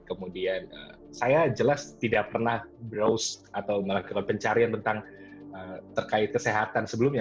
kemudian saya jelas tidak pernah browse atau melakukan pencarian tentang terkait kesehatan sebelumnya